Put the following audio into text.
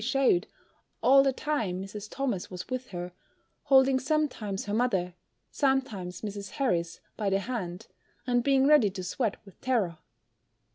shewed all the time Mrs. Thomas was with her, holding sometimes her mother, sometimes Mrs. Harris, by the hand, and being ready to sweat with terror.